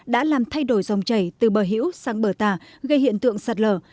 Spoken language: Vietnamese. đã làm thay đổi dòng chảy từ bờ hữu sang bờ tà gây hiện tượng sạt lở